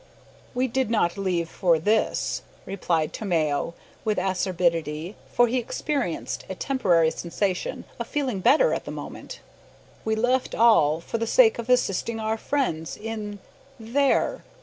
"We did not leave for this," replied Tomeo, with some acerbity, for he experienced a temporary sensation of feeling better at the moment; "we left all for the sake of assisting our friends in there!